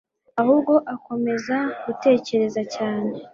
ahubwo akomeza gutekereza cyane